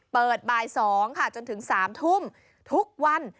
เปิดบ่าย๒จนถึง๓ทุ่มทุกวัน